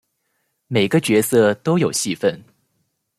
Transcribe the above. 每个角色都有戏份